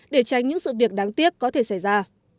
để tránh những sự việc đáng tiếc có thể xảy ra